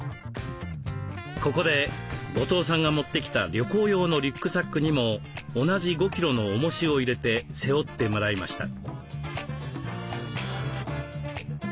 ここで後藤さんが持ってきた旅行用のリュックサックにも同じ５キロのおもしを入れて背負ってもらいました。